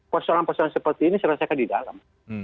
persoalan persoalan seperti ini selesaikan di dalam